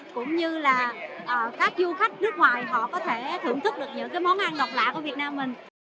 cũng như là các du khách nước ngoài họ có thể thưởng thức được những món ăn độc lạ của việt nam mình